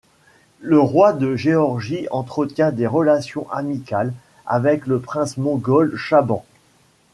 Le roi de Géorgie entretient des relations amicales avec le prince mongol Chaban.